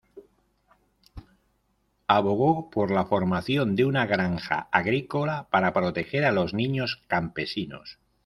Abogó por la formación de una Granja Agrícola, para proteger a los niños campesinos.